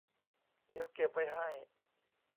เดี๋ยวเก็บไว้ให้